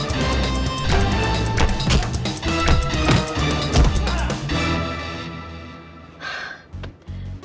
tidak tidak tidak